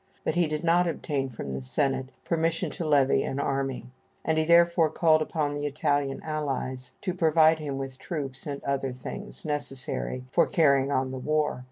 But he did not obtain from the Senate permission to levy an army, and he therefore called upon the Italian allies to provide him with troops and other things necessary for carrying on the war.